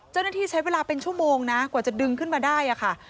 เจ้าหน้าที่ใช้เวลาเป็นชั่วโมงนะกว่าจะดึงขึ้นมาได้ค่ะ